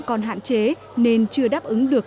còn hạn chế nên chưa đáp ứng được